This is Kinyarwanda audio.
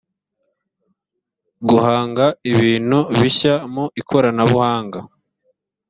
guhanga ibintu bishya mu ikoranabuhanga